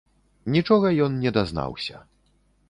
Нічога ён не дазнаўся.